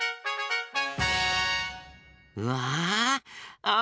うわあ！